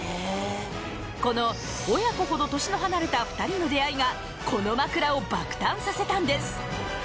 この親子ほど年の離れた２人の出会いがこの枕を爆誕させたんです。